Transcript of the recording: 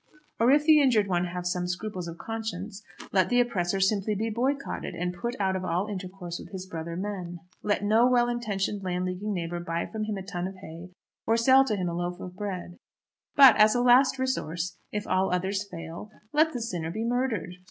Or if the injured one have some scruples of conscience, let the oppressor simply be boycotted, and put out of all intercourse with his brother men. Let no well intentioned Landleaguing neighbour buy from him a ton of hay, or sell to him a loaf of bread. But as a last resource, if all others fail, let the sinner be murdered.